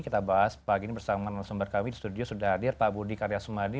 kita bahas pagi ini bersama dengan leluhur sumber kami di studio sudah hadir pak budi karyasumadi